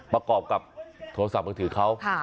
ประกอบกับโทรศัพท์มือถือเขา